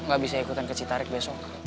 gak bisa ikutan ke citarik besok